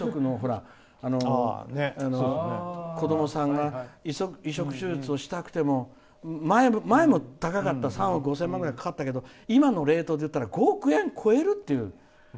心臓移植の子どもさんが移植手術をしたくても前も高かった３億近くかかったけど今のレートでいったら５億円を超えるっていう。